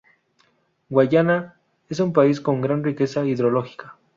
Guyana es un país con gran riqueza hidrológica.